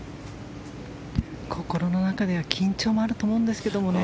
心の中では緊張もあると思うんですけどね。